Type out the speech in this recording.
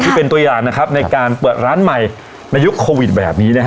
ที่เป็นตัวอย่างนะครับในการเปิดร้านใหม่ในยุคโควิดแบบนี้นะฮะ